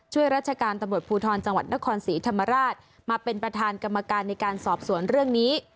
ราชการตำรวจภูทรจังหวัดนครศรีธรรมราชมาเป็นประธานกรรมการในการสอบสวนเรื่องนี้